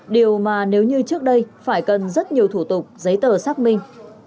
điều mà nếu như trước đây phải cần rất nhiều thủ tục giấy tờ xác minh